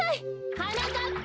はなかっぱ！